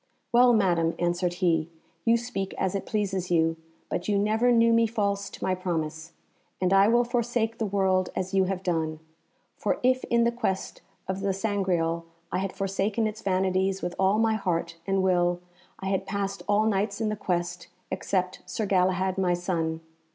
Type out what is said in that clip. "Well, Madam," answered he, "you speak as it pleases you, but you never knew me false to my promise, and I will forsake the world as you have done. For if in the quest of the Sangreal I had forsaken its vanities with all my heart and will, I had passed all Knights in the quest, except Sir Galahad my son.